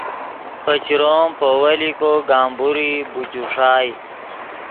پے چروم پے ویلیکو گمبورئی بوچوݰائے